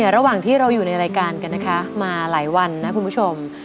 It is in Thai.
ระหว่างที่เราอยู่ในรายการกันนะคะมาหลายวันนะคุณผู้ชม